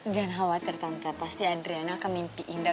jangan khawatir tante pasti adriana akan mimpi indah